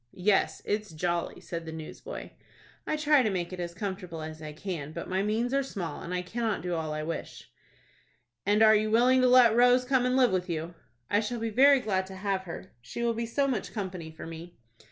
"Yes, it's jolly," said the newsboy. "I try to make it as comfortable as I can; but my means are small, and I cannot do all I wish." "And are you willing to let Rose come and live with you?" "I shall be very glad to have her. She will be so much company for me."